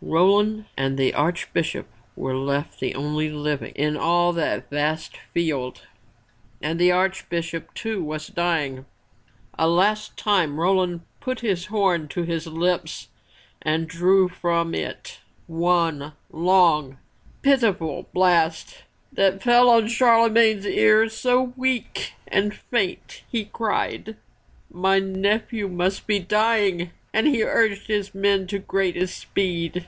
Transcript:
Roland and the Archbishop were left the only living in all that vast field and the Archbishop too was dying. A last time Roland put his horn to his lips and drew from it one long, pitiful blast that fell on Charlemagne's ear so weak and faint, he cried, "My nephew must be dying!" And he urged his men to greater speed.